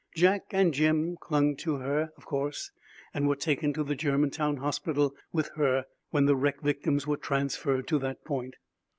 Jack and Jim clung to her, of course, and were taken to the Germantown Hospital with her when the wreck victims were transferred to that point.